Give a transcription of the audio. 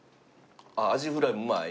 ああアジフライうまい？